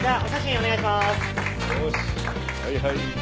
はい！